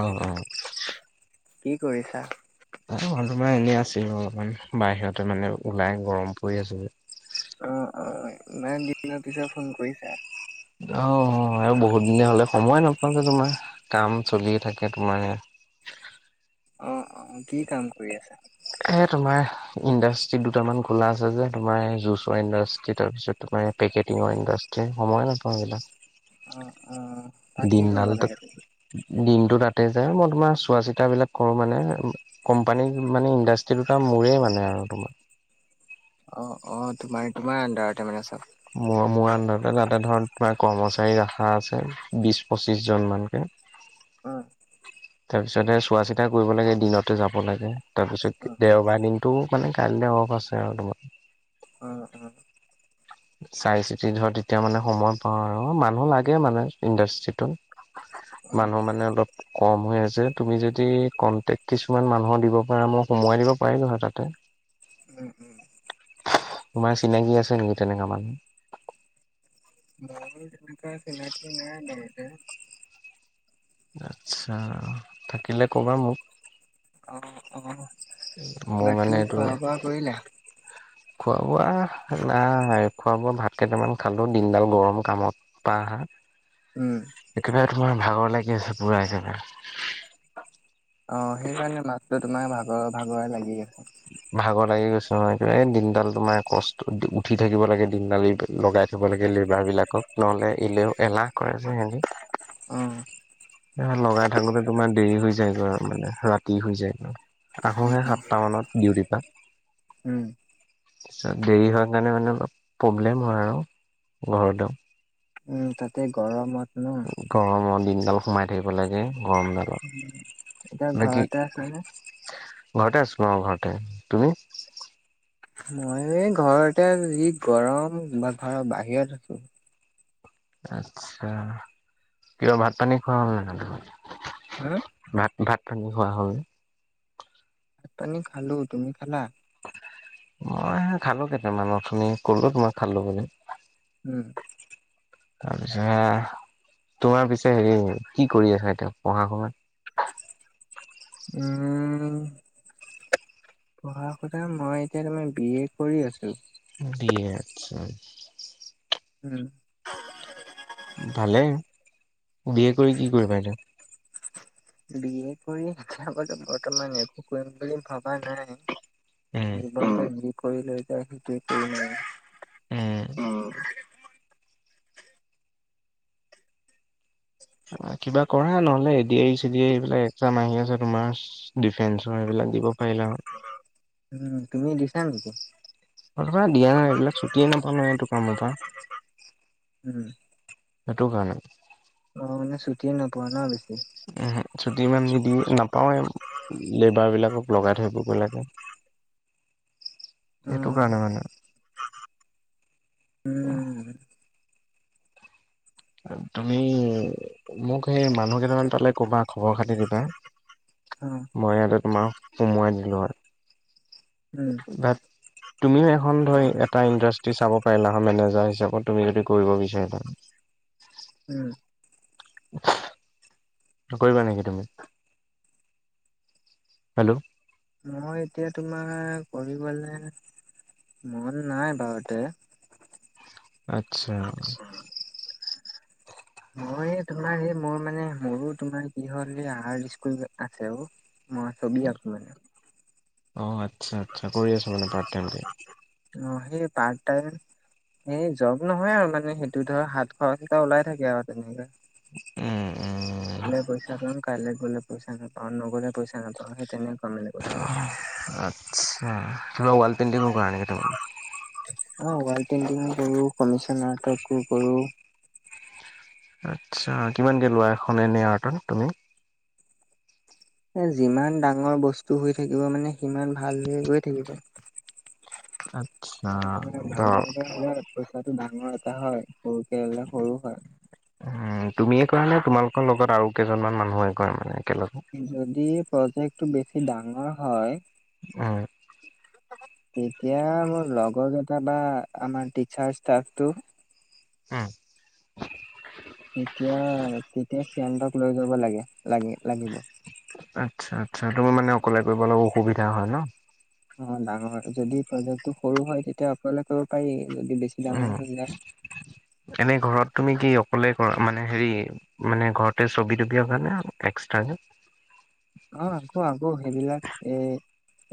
অ', অ'। কি কৰিছা? মই তোমাৰ এনেই আছিল অলপমান বাহিৰতে মানে ওলাই গৰম পৰি আছো। অ, অ, ইমান দিনৰ পিছত ফোন কৰিছা। অ' আৰু বহুত দিনে হলে সময় নাপাওঁ যে তোমাৰ কাম চলি থাকে তোমাৰ ই অ, অ কি কাম কৰি আছা? এ তোমাৰ ইণ্ডাষ্ট্ৰি দুটামান খোলা আছে যে তোমাৰ জুচৰ ইণ্ডাষ্ট্ৰি তাৰপিছত তোমাৰ পেকেটিঙৰ ইণ্ডাষ্ট্ৰি সময় নাপাও এইবিলাক। অ, অ। তাত কি কৰিব দিনডালটো লাগে? তুমি? দিনতো তাতে যায় মই তোমাৰ চোৱা- চিতাবিলাক। কৰো মানে কোম্পানী মানে ইণ্ডাষ্ট্ৰি দুটা মোৰেই মানে আৰু তোমাৰ। অ, অ, তোমাৰ তোমাৰ আণ্ডাৰতে মানে চব। মোৰ মোৰ আন্ধাৰতে তাতে ধৰ তোমাৰ কৰ্মচাৰী ৰাখা আছে বিশ, পঁচিশ জন মানকে। অ। তাৰ পিছতে চোৱা চিতা কৰিব লাগে দিনতে যাব লাগে। তাৰ পিছত অ', দেওবাৰ দিনতটো মোৰ মানে কাইলৈ অফ আছে আৰু তোমাৰ। উম, উম। চাই চিতি ধৰ তেতিয়া মানে সময় পাওঁ আৰু মানুহ লাগে মানে ইণ্ডাষ্ট্ৰিটোত। অ', মানুহ মানে অলপ। কম হৈ আছে তুমি যদি কনটেক্ট কিছুমান মানুহৰ দিব পাৰা মই সোমোৱাই দিব পাৰিম আৰু তাতে। উম, উম। তোমাৰ চিনাকি আছে নেকি তেনেকা মানুহ। আৰু তেনেকুৱা চিনাকি নাই বাৰু। আচ্ছা, থাকিলে ক'বা মোক। অ, অ, মোৰ মানে বাকী খোৱা বোৱা কৰিলা? খোৱা-বোৱা নাই খোৱা বোৱা ভাত কেইটামান খালো দিনডাল গৰম কামত। পা উম, একেবাৰে তোমাৰ ভাগৰ লাগি আছে পুৰা একেবাৰে। অ' সেইকাৰণে মাতটো তোমাৰ ভাগৰ ভাগৰেই লাগি আছে। ভাগৰ লাগি গৈছে নহয় কিবা এই দিনডাল তোমাৰ কষ্ট উঠি থাকিব লাগে দিনডালৰ লগাই থব লাগে লিডাৰ বিলাকক নহ'লে এলেও এলাহ কৰে যে সিহঁতে। উম। লগাই থাকোতে তোমাৰ দেৰি হৈ যায়গৈ আৰু মানে ৰাতি হৈ যায়। আহোহে সাতটা মানত ডিউটি পা। উম। তাৰপিছত দেৰি হোৱাৰ কাৰণে মানে প্ৰব্লেম হয় আৰু আহোতে। উম, তাতে গৰমত ন। গৰমৰ দিনডাল সোমাই থাকিব লাগে গৰমডাল। এতিয়া ঘৰতে আছে নে? ঘৰতে আছো অ' ঘৰতে, তুমি? মই এই ঘৰতে যি গৰম বা ঘৰৰ বাহিৰত আছো। আচ্ছা কিয় ভাত পানী খোৱা হ'ল নে নাই তহঁতৰ। ভাত ভাত পানী খোৱা হ'ল। ভাত পানী খালো, তুমি খালা? মই খালো কেইটামান অথনি ক'লো তোমাৰ খালো বুলি। উম। তাৰপিছত তোমাৰ পিছে হেৰি কি কৰি আছা এতিয়া পঢ়া- শুনা। উম। পঢ়া-শুনা মই এতিয়া তোমাৰ বি এ কৰি আছো। বি, এ আচ্ছা। উম। ভালে বি এ কৰি কি কৰিবা এতিয়া? বি এ কৰি চাবা লাগবো বৰ্তমান একো কৰিম বুলি ভাবা নাই। উম যি কৰি লৈ যায় সেইটোৱে কৰি ন। উম। কিবা কৰা নহ'লে এডি আৰ ই, চেডি আৰ ই এইবিলাক একজাম আহি আছে তোমাৰ। ডিফেন্সৰ সেইবিলাক দিব পাৰিলা হয়। উম, তুমি দিছা নেকি? বৰ্তমান দিয়া নাই এইবিলাক ছুটিয়ে নাপাও নহয় এইটো কামৰ পৰা। উম। সেইটো কাৰণে। অহ, মানে ছুটি নাপোৱা ন, বেছি? উম, চুটি ইমান নিদিয়ে নাপাওৱে লেবাৰ বিলাকক লগাই থৈ অ [unintelligible] এইটো কাৰণে মানে। উম। তুমি মোক সেই মানুহ কেইটামান পালে ক'বা খবৰ খাতি দিবা। অ'। মই ইয়াতে তোমাক সোমোৱাই দিলো হয়। উম বাত তুমিও এখন ধৰি এটা ইণ্ডাষ্ট্ৰি চাব পাৰিলা হয় মেনেজাৰ হিচাপত তুমি যদি কৰিব বিচাৰি থাকা। উম এইটো কৰিবা নেকি তুমি? হেল্ল'। মই এতিয়া তোমাৰ কৰিবলে মন নাই বাৰুতে। আচ্ছা। আচ্ছা মই তোমাৰ সেই মোৰ মানে মোৰো তোমাৰ কি হ'ল এ আৰ্ট স্কুল আছে অ, মই ছবি আঁকো মানে। অ', আত [unintelligible] অহ, সেই পাৰ্ট টাইম এই জব নহয় আৰু মানে সেইটো ধৰ হাত- খৰচ এটা ওলাই থাকে আৰু তেনেকই। উম। উম গলে পইচা পাম কাইলে গলে পইচা নাপাওঁ, নগলে পইচা নাপাওঁ সেই তেনেকুৱা মানে কথাটো। আচ্ছা এইফালে ৱাল পেইণ্টিং কৰা নাই এইটো কাৰণে। অ', ৱাল পেইণ্টিং কৰো, কমিচন আৰ্ট কৰো। আচ্ছা কিমানকে লোৱা এখন এনে আৰ্টত তুমি? এ যিমান ডাঙৰ বস্তু হৈ থাকিব মানে সিমান ভাল হৈ গৈ থাকিব। আচ্ছা [unintelligible] ধৰ ডাঙৰকে হ' লে পইচাটো ডাঙৰ এটা হয় সৰুকে ললে সৰু হয়। উম, তুমিয়ে কৰা নে তোমালোকৰ লগত আৰু কেইজনমান মানুহ আহি কৰে মানে একেলগে? যদি প্ৰজেক্টটো বেছি ডাঙৰ হয় উম। তেতিয়া মোৰ লগৰ কেটা বা আমাৰ টিচাৰ ষ্টাফটো হম, তেতিয়া -তেতিয়া সিহঁতক লৈ যাব লাগে -লাগে- লাগিব। আচ্ছা-আচ্ছা তুমি মানে অকলে কৰিবলে অসুবিধা হয় ন'? অ,, ডাঙৰ যদি প্ৰজেক্টটো সৰু হয় তেতিয়া [unintelligible] পাৰি যদি বেছি ডাঙৰ উম, হৈ যায় এনে ঘৰত তুমি কি অকলে কৰা মানে হেৰি মানে ঘৰতে ছবি -তবি অকানে এক্সট্ৰাক? অ, আকৌ -আকৌ সেইবিলাক এ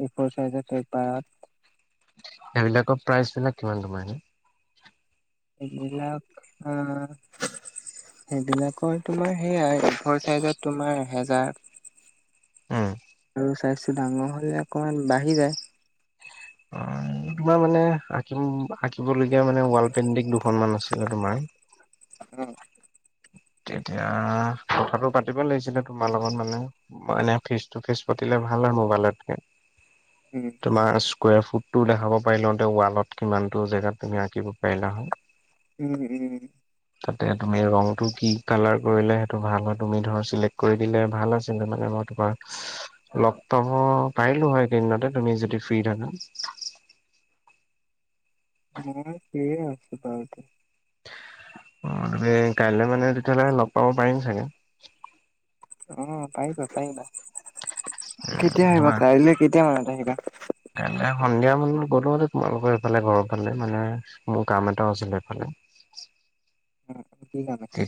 এফৰ চাইজৰ পেপাৰত সেইবিলাকৰ প্ৰাইচ বিলাক কিমান তোমাৰ এনে? এইবিলাক আ সেইবিলাকৰ তোমাৰ সেয়াই ফৰ চাইজত তোমাৰ এহেজাৰ। উম, অ, চাইজটো ডাঙৰ হৈ যায় অকণমান বাঢ়ি যায়। অ, তোমাৰ মানে আঁকিম-আঁকি এইবোৰ লৈ মানে ৱাল পেইণ্টিং দুখনমান আছিলে তোমাৰ [unintelligible] তেতিয়া কথাটো পাতিব লাগিছিলে তোমাৰ লগত মানে। অ, এনে ফেচ টু ফেচ পাতিলে ভাল হয় মোবাইলতকে। উম, তোমাৰ স্কুৱেৰ ফুট টো দেখাব পাৰিলেওতে ৱালত কিমানটো জেগাত তুমি আঁকিব পাৰিলা হয়। উম-উম তাতে তুমি ৰঙতো কি কালাৰ কৰিলে সেইটো ভাল হয় তুমি ধৰা চিলেক্ট কৰি দিলে ভাল আছিল মানে মই তোমাৰ লগ পাব পাৰিলো হয় এইকিদিনতে তুমি যদি ফ্ৰী থাকা। মই ফ্ৰীয়ে আছো বাৰুতে। অ, তুমি কাইলে মানে তেতিয়াহ'লে লগ পাব পাৰিম চাগে।? অ, পাৰিবা -পাৰিবা কেতিয়া আহিবা কাইলে কেতিয়া মানত আহিবা? এনে সন্ধিয়া মান গলো হয়তে তোমালোকৰ এইফালে ঘৰৰ ফালে মানে মোৰ কাম এটাও আছিলে সেইফালে উম, কি কাম আছিল?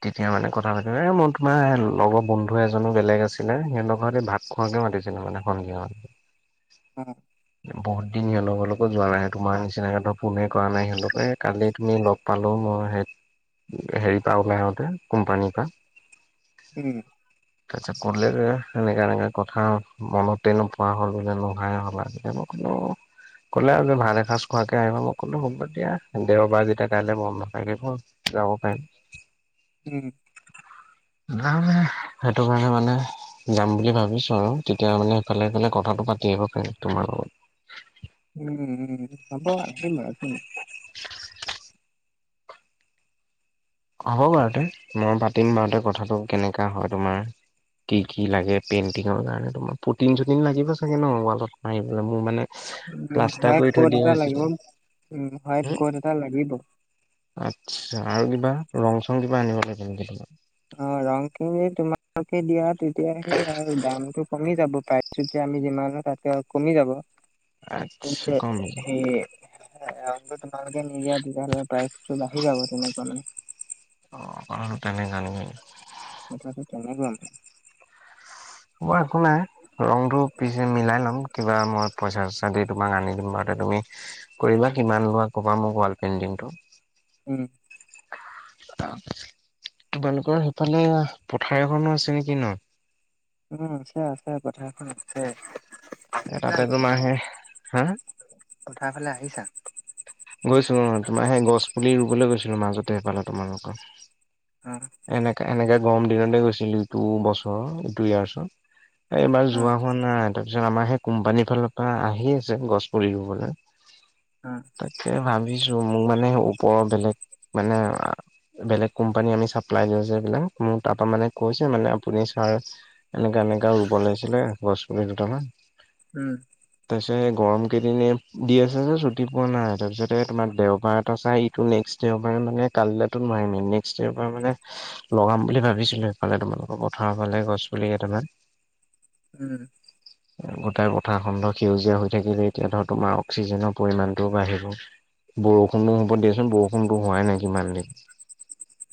তেতিয়া মানে কথা পাতি এ মোৰ তোমাৰ লগৰ বন্ধু এজনো বেলেগ আছিলে সিহঁতৰ ঘৰতে ভাত খোৱা কে মাতিছিলে মানে ভন্টিহত। উম, বহুত দিন সিহঁৰ লগক লগ যোৱা নাই তোমাৰ নিচিনাক ইহঁতক প্ৰথম ফোনে কৰা নাই সিহঁকে কালি তুমি লগ পালোঁ মই সেইত হেৰিৰ পৰা ওলাই আহোঁতে কোম্পানীৰ পৰা। উম, তাৰছত ক'লে যে সেনেকে- এনেকে কথা মনতে নোপোৱা হ'ল বোলে নুহায়ে হ'ল আজিকা [unintelligible] ক'লে আৰু যে ভাত এসাঁজ খোৱাকে আহিবা মই ক'লো হ'ব দিয়া দেওবাৰ যেতিয়া কাইলে মন থাকিব। ব যাব পাৰিম। উম, নানে সেইটো কাৰণে মানে যাম বুলি ভাবিছো আৰু তেতিয়া মানে সেইফালে-এইফালে কথাটো পাতি আহিব পাৰিম তোমাৰ লগত উম-উম হব আহিম বাৰু একোনাই। [unintelligible] হ'ব বাৰুতে মই পাতিম বাৰু তে কথাটো কেনেকা হয় তোমাৰ। কি-কি লাগে পেইণ্টিঙৰ কাৰণে তোমাৰ পুটিন চুটিন লাগিব চাগে ন' ৱালত মাৰিবলে মোৰ মানে উম, দুই প্লাষ্টাৰ ভাগ কৰি কত থৈ দিয়া এটা লাগিব, আছিলে দুই ভাগ কতএটা লাগিব। আচ্ছা আৰু কিবা ৰং চং কিবা আনিব লাগে নেকি তোমাক? অ, ৰং খিনি তোমালোকে দিয়া তেতিয়া সেই আৰু দামটো কমি যাব তাই তেতিয়া আমি যিমানো তাতকে আৰু কমি যাব [unintelligible] আচ্ছা কম নেকি সেই ৰংটো তোমালোকে নিজেই বুজাৰ হৈ পাই ত' বাঢ়ি যাব তোমাক মানে। অ', অ', তেনেকা নিকি? কথাটো তেনেকুৱা মানে। উ, আহ একো নাই ৰংটো পিছে মিলাই লম কিবা মই। পইচা- চইচা দি তোমাক আনি দিম বাৰুতি তুমি কৰিবা কিমান লোৱা ক'বা মোক ৱাল পেইণ্টিংটো? উম, তাপ তোমালোকৰ সেইফালে পথাৰ এখনো আছে নেকি ন? উম, আছে- আছে পথাৰখন আছে। এ তাতে তোমাৰ সেই [unintelligible] হা পথাৰ ফালে আহিছা? গৈছি অ, তোমাৰ সেই গছ পুলি ৰুবলে গৈছিলোঁ মাজতে এ এফালে তোমালোকৰ। অ', এনেকা -এনেকা গৰম দিনতে গৈছিলো ইটো বছৰৰ ইটো ইয়াৰচত। এইবাৰ অ যোৱা হোৱা নাই তাৰপিছত আমাৰ সেই কোম্পানীৰ ফালৰ পৰা আহি আছে গছ পুলি ৰুবলৈ। অ', তাকে ভাবিছোঁ মোৰ মানে ওপৰৰ বেলেগ মানে বেলেগ কোম্পানী আমি চাপ্লাই ডিও যে এইবিলাক মোৰ তাৰ পা মানে কৈছে মানে আপুনি ছাৰ এনেকা -এনেকা ৰুব লাগিছিলে গছ-পুলি দুটামান। উম, তাপিচে কৰে গৰম কেইদিনে দি আছে যে ছু একো নাই তাৰপিছতে তোমাৰ দেওবাৰ এটা চাই ইটো নেক্স দেওবাৰে মানে কালিলে টো নোৱাৰিম এনে পিচে এইবাৰ মানে লগাম বুলি ভাবিছিলোঁ এইফালে তোমালোকৰ পথাৰৰ ফালে গছ পুলি কেইটামান। উম, গোটেই পথাৰ খনতো সেউজীয়া হৈ থাকিল এতিয়া ধৰ তোমাৰ অক্সিজেনো পৰিমাণটোও বাঢ়িব। বৰষুণো হ'ব দিয়াচোন বৰষুণতো হোৱাই নাই কিমান দিন খেতি-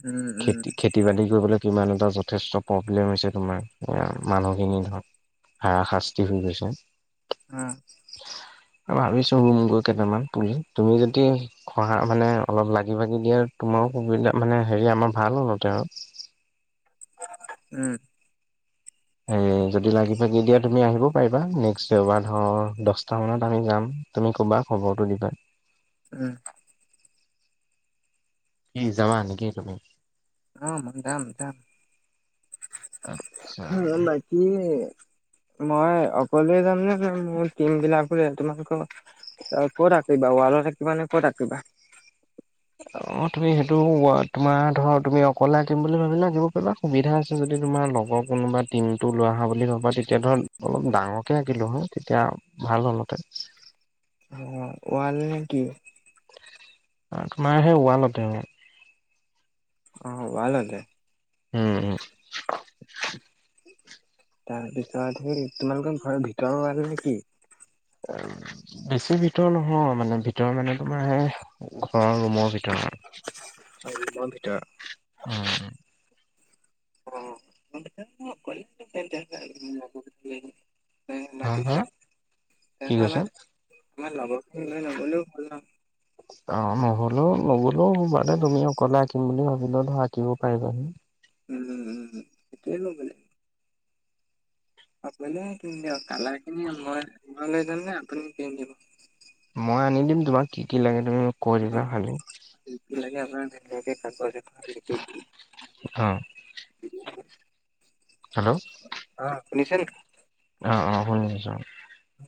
উম উম খেতি খেতি বাতি কৰিবলৈ কিমান এটা যথেষ্ট প্ৰব্লেম হৈছে তোমাৰ মানুহখিনি ধৰ হাৰা শাস্তি হৈ গৈছে। উম, এ ভাবিছো ৰুম গৈ কেইটামান পুলি তুমি যদি ঘহা মানে অলপ লাগি ভাগি দিয়াৰ তোমাৰো সুবিধা মানে হেৰি আমাৰ ভাল হব তেওঁ উম, এই যদি লাগি ভাগি দিয়া তুমি আহিব পাৰিবা। নেক্সট দেওবাৰ ধৰ দচটামানত আমি যাম। তুমি ক'বা খবৰটো দিবা। উম, কি যাবা নেকি তুমি? অ, যাম দাম আচ্ছা। বাকি? মই অকলে যাম নে তুমি মোৰ টিম বিলাকো [unintelligible] অ, ক'ত আঁকিবা ৱালত থাকিবা নে ক'ত আঁকিবা? অ, তুমি সেইটো তোমাৰ ধৰ তুমি অকলে আঁকিম বুলি ভাবিলে আঁকিব পাৰিবা। সুবিধা আছে যদি তোমাৰ লগৰ কোনোবা টিমটো লৈ আহা বুলি ভ'বা তেতিয়া ধৰ অলপ ডাঙৰকে আঁকিলোঁ হয়। তেতিয়া ভাল হ'লহতে। অ, ৱাল নেকি? আ, তোমাৰহে ৱালতে? অ, ৱালতে? উম, উ, তাৰপিছত সেই তোমালোকৰ ঘৰৰ ভিতৰৰ ৱাল নে কি? বেছি ভিতৰ নহয় মানে ভিতৰ মানে তোমাৰ হে ঘৰৰ ৰুমৰ ভিতৰত। হয় ৰোমৰ ভিতৰত। অ উ। অ [unintelligible] নে হা হা মাতিছা। কি তেনেহলে আমাল কৈছা আমাৰ লগৰখিনি লৈ নগলেও হ'ল নহ। অ নহলেও নগলেও বানে তুমি অকলে আঁকিম বুলি ভাবিলো ধৰ আঁকিব পাৰিবা হি। উম উম উম সেতোৱে ল'বলে অকলেই আকিম দিয়ক। কালাৰ খিনি মই লৈ যাম নে আপুনি কিনি দিব? মই আনি দিম তোমাক কি কি লাগে তুমি মোক কৈ দিবা খালী। কি কি লাগে আপোনাক ভেলেগে কাগজ এখনত লিখি দিম। অ [unintelligible] হেল্ল' অ শুনিছে নেক- অ অ শুনি আছো।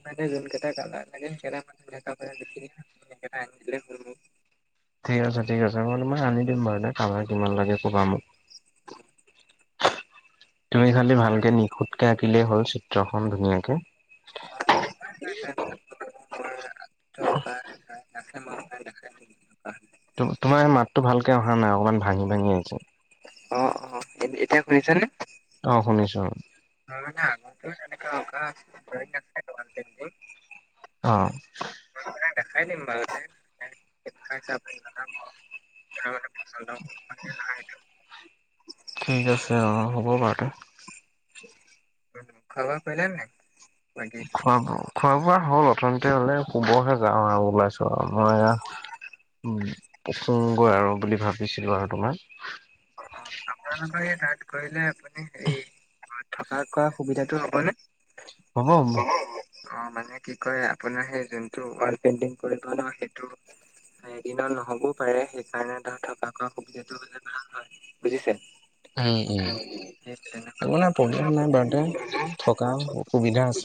মানে যোনকেইটা কালাৰ লাগে [unintelligible] লিখি দিম হা আপুনি আনি দিলে হ'ল মোক। ঠিক আছে ঠিক আছে মই তোমাক আনি দিম বাৰুতে কালাৰ কিমান লাগে ক'বা মোক। তুমি খালী ভালকে নিখুঁতকে আঁকিলেই হ'ল চিত্ৰখন ধুনীয়াকে। [unintelligible] [unintelligible] তোমাৰ মাতটো ভালকে অহা নাই অকণমান ভাঙি ভাঙি আহিছে। অ অ এতিয়া শুনিছে নে? অ শুনিছো। হয় মানে আগত যেনেকা অকা আছে [unintelligible] অ। মই আপোনাক দেখাই দিম বাৰুতে [unintelligible] [unintelligible] ঠিক আছে অ হ'ব বাৰু তে। খোৱা বোৱা কৰিলে নাই? বাকী খোৱা বোৱা খোৱা বোৱা হ'ল উঠনিতে হলে শুবহে যাওঁ আৰু ওলাইছো আও মই আ। উম প্ৰসংগ আৰু বুলি ভাবিছিলো আৰু তোমাক। অ অ আপোনালোকৰ এই তাত কৰিলে আপুনি সেই থকা কোৱা সুবিধাটো হ'ব নে? হ'ব হ'ব। অহ মানে কি কয় আপোনৰ হে যোনটো ৱাল পেন্তিং কৰে ন সেইটো এদিনত নহ'বও পাৰে সেইকাৰণে ধৰ থকা খোৱা সুবিধাটো হ'লে ভাল হয় বুজিছে? উম উম সেই তেনে [unintelligible] কাম অসুবিধা আছে।